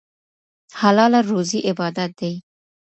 حلاله روزي عبادت دی.